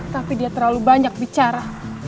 tapi dia terlalu banyak bicara